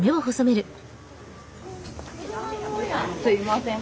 すいません。